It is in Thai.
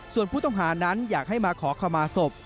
ส่วนผู้ต้องหานั้นอยากให้มาขอขมาศพ